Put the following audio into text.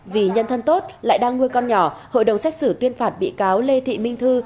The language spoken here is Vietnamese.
vì nhân thân tốt lại đang nuôi con nhỏ hội đồng xét xử tuyên phạt bị cáo lê thị minh thư